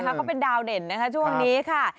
เขาเป็นดาวเด่นนะคะช่วงนี้ค่ะ